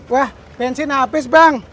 wah bensin hapis bang